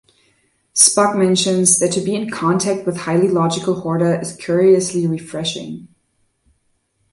Spock mentions that to be in contact with highly logical Horta is curiously refreshing.